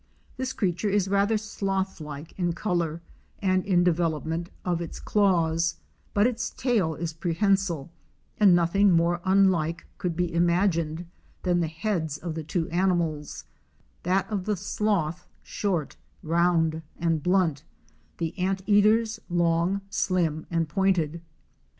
This creature is rather sloth like in color and in development of its claws, but its tail is prehensile, and nothing more unlike could be imagined than the heads of the two animals, that of the sloth short, round and blunt; the anteater's long, slim and pointed.